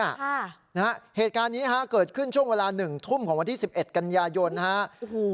ค่ะนะฮะเหตุการณ์นี้ฮะเกิดขึ้นช่วงเวลาหนึ่งทุ่มของวันที่สิบเอ็ดกันยายนนะฮะโอ้โห